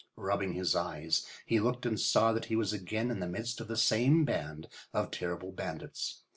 Rubbing his eyes, he looked and saw that he was again in the midst of the same band of terrible bandits.